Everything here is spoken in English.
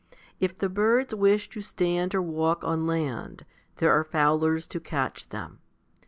If the birds wish to stand or walk on land, there are fowlers to catch them.